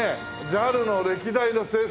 ＪＡＬの歴代の制服。